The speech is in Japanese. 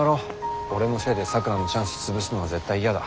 俺のせいで咲良のチャンス潰すのは絶対嫌だ。